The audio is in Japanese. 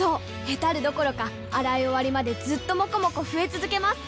ヘタるどころか洗い終わりまでずっともこもこ増え続けます！